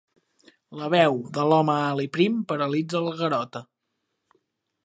La veu de l'home alt i prim paralitza el Garota.